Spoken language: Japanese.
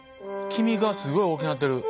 黄身がすごい大きなってる。